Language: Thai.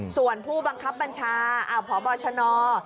ส่วนผู้บังคับบัญชาพบชน